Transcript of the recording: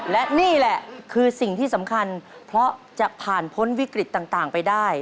และนี่แหละคือสิ่งที่สำคัญเพราะจะผ่านพ้นวิกฤตต่างไปได้